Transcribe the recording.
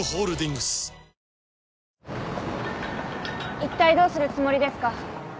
いったいどうするつもりですか。